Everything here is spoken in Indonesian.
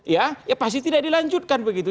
ya pasti tidak dilanjutkan begitu